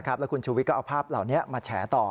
แล้วคุณชูวิทย์ก็เอาภาพเหล่านี้มาแฉต่อ